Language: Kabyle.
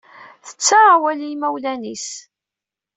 Tettaɣ awal i yimawlan-is.